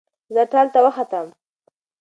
زه ټال ته وختم